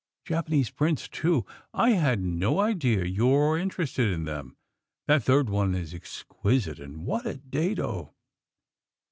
Japanese prints, too! I had no idea that you were interested in them. That third one is exquisite. And what a dado!"